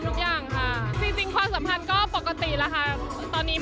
ทุกคนก็จริงก็ว่ายังเหมือนเดิม